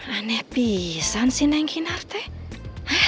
aneh pisan sih neng kinar teh